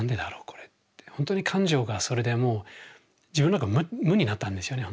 これってほんとに感情がそれでもう自分無になったんですよね